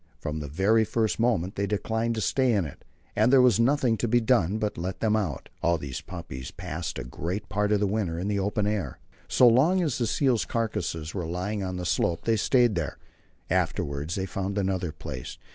From the very first moment they declined to stay in it, and there was nothing to be done but to let them out. All these puppies passed a great part of the winter in the open air. So long as the seals' carcasses were lying on the slope, they stayed there; afterwards they found another place.